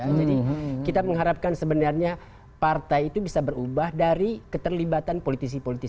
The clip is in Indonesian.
jadi kita mengharapkan sebenarnya partai itu bisa berubah dari keterlibatan politisi politis